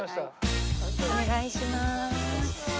お願いします。